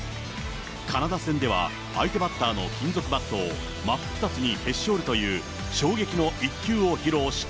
カナダ戦では、相手バッターの金属バットを真っ二つにへし折るという衝撃の一球を披露した。